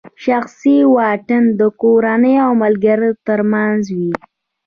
شخصي واټن د کورنۍ او ملګرو ترمنځ وي.